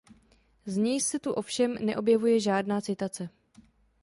Z něj se tu ovšem neobjevuje žádná citace.